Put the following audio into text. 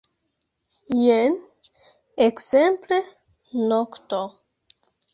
Jen, ekzemple, nokto.